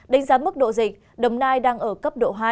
đánh giá mức độ dịch đồng nai đang ở cấp độ hai